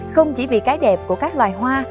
không chỉ vì cái đẹp của các loài hoa